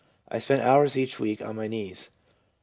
I spent hours each week on my knees/ F.